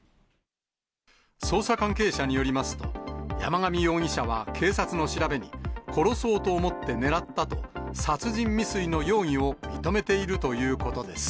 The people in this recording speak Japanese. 捜査関係者によりますと、山上容疑者は警察の調べに、殺そうと思って狙ったと、殺人未遂の容疑を認めているということです。